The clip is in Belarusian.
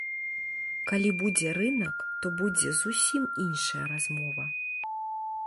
Калі будзе рынак, то будзе зусім іншая размова.